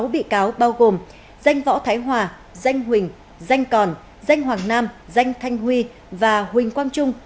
sáu bị cáo bao gồm danh võ thái hòa danh huỳnh danh còn danh hoàng nam danh thanh huy và huỳnh quang trung